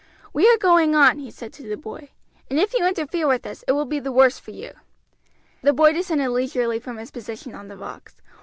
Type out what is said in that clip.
"We are going on," he said to the boy, "and if you interfere with us it will be the worse for you." The boy descended leisurely from his position on the rocks.